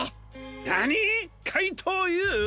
なにっ⁉かいとうＵ。